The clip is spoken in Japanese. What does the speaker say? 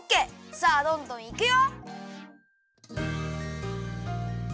さあどんどんいくよ！